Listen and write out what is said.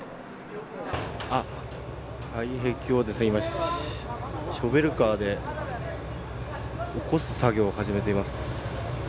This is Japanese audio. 外壁を今、ショベルカーで起こす作業を始めています。